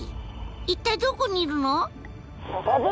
一体どこにいるの？